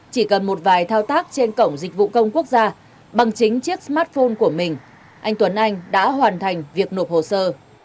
chỉ cần một vài thao tác trên cổng dịch vụ công quốc gia bằng chính chiếc smartphone của mình anh tuấn anh đã hoàn thành việc nộp hồ sơ